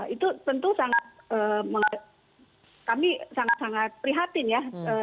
itu tentu sangat kami sangat sangat prihatin ya